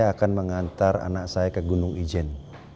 saya akan mengantar anak saya ke gunung ijen